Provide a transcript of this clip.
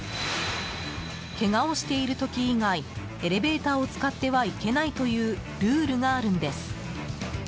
けがをしている時以外エレベーターを使ってはいけないというルールがあるんです。